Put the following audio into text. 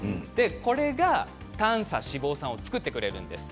これが短鎖脂肪酸を作ってくれるんです。